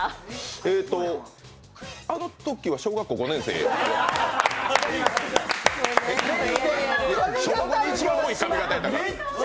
えーと、あのときは小学校５年生？小学校で一番多い髪形やったから。